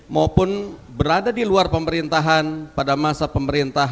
maupun berada di luar pemerintahan pada masa pemerintah